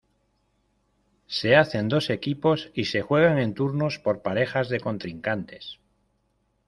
Se hacen dos equipos y se juegan en turnos por parejas de contrincantes.